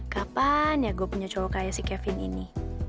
kapan ya gue punya cowok kayak si kevin ini